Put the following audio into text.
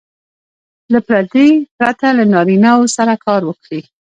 له پردې پرته له نارینه وو سره کار وکړي.